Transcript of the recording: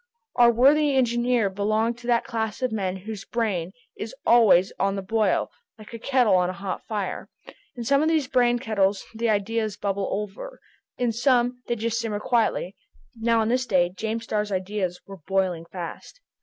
Our worthy engineer belonged to that class of men whose brain is always on the boil, like a kettle on a hot fire. In some of these brain kettles the ideas bubble over, in others they just simmer quietly. Now on this day, James Starr's ideas were boiling fast.